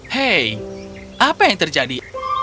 hei apa yang terjadi